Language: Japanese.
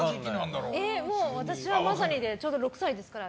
もう、私はまさにちょうど６歳ですから。